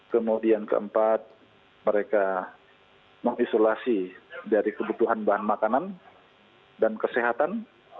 kemudian keempat mereka mengisolasi dari kebutuhan bahan makanan dan kesehatan